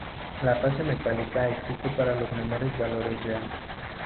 La fase metálica existe para los menores valores de "a"".